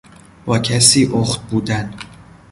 با کسی اخت بودن